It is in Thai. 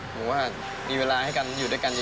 ผมก็จากนักบอลธรรมดาครับเดือนสายพอเล่นลีกก็ถือว่าโอเคแล้วครับ